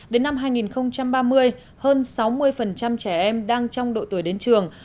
đến năm hai nghìn ba mươi hơn sáu mươi trẻ em đang trong độ tuổi đến trường